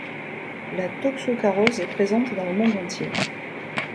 La toxocarose est présente dans le monde entier.